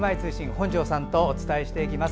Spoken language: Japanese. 本庄さんとお伝えしていきます。